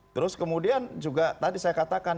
terus kemudian juga tadi saya katakan